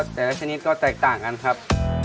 แต่ละชนิดก็แตกต่างกันครับ